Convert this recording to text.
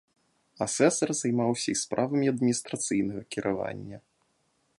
Асэсар займаўся і справамі адміністрацыйнага кіравання.